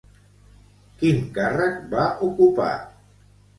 Quin càrrec va ocupar?